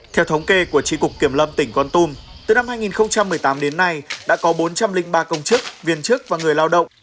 theo thống kê của tri cục kiểm lâm tỉnh con tum từ năm hai nghìn một mươi tám đến nay đã có bốn trăm linh ba công chức viên chức và người lao động